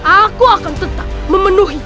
aku akan tetap memenuhi